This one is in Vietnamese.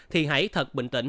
thì hãy thật bình tĩnh